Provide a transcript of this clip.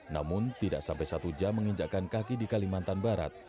namun tidak sampai satu jam menginjakkan kaki di kalimantan barat